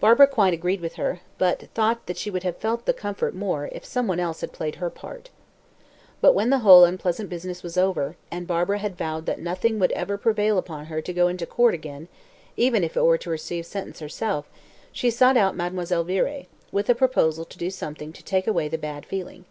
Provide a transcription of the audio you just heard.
Barbara quite agreed with her, but thought she would have felt the comfort more if some one else had played her part. But when the whole unpleasant business was over, and Barbara had vowed that nothing would ever prevail upon her to go into court again even if it were to receive sentence herself she sought out Mademoiselle Viré, with a proposal to do something to "take away the bad feeling."